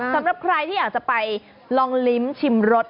สำหรับใครที่อยากจะไปลองลิ้มชิมรส